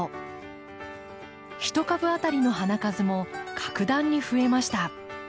一株当たりの花数も格段に増えました。